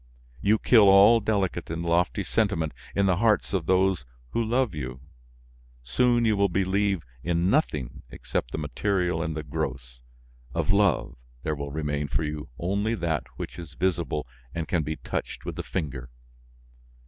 You kill all delicate and lofty sentiment in the hearts of those who love you; soon you will believe in nothing except the material and the gross; of love, there will remain for you only that which is visible and can be touched with the finger.